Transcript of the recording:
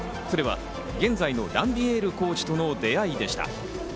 それが現在のランビエールコーチとの出会いでした。